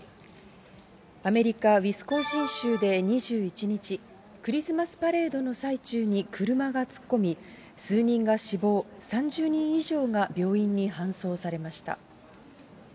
アメリカ・ウィスコンシン州で２１日、クリスマスパレードの最中に車が突っ込み、数人が死亡、３０人以上が病院に搬送されました。